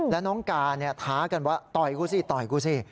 แล้วน้องการท้ากันว่าต่อยกูสิ